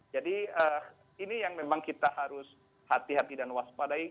jadi ini yang memang kita harus hati hati dan waspadai